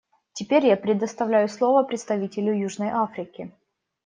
Теперь я предоставляю слово представителю Южной Африки.